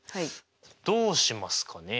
どうしますかね？